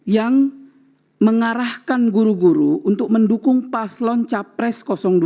yang mengarahkan guru guru untuk mendukung paslon capres dua